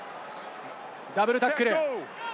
ダブルタックル。